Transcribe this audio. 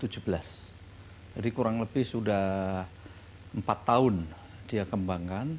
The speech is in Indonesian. jadi kurang lebih sudah empat tahun dia kembangkan